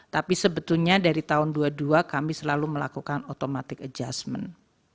tapi sebetulnya dari tahun dua puluh dua kami selalu melakukan automatic adjustment